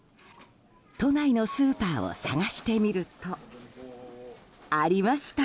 都内のスーパーを探してみるとありました！